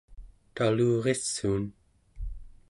talurissuun